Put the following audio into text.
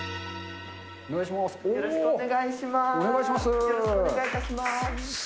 お願いします。